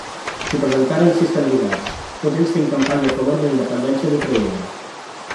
S'hi presentaren sis candidats, tots ells fent campanya a favor de la independència d'Ucraïna.